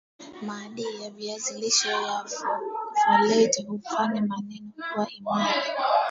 madii ya viazi lishe ya foleti hufanya meno kuwa imara